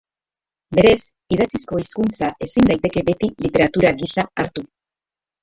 Berez, idatziko hizkuntza ezin daiteke beti literatura gisa hartu.